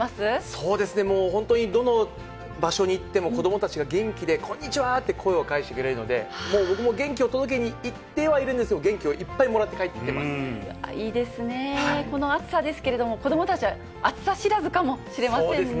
そうですね、もう本当にどの場所に行っても、子どもたちが元気で、こんにちはって声を返してくれるので、もう僕も元気を届けに行ってはいるんですけど、元気をいっぱいもいいですね、この暑さですけど、子どもたちは暑さ知らずかもしれませんね。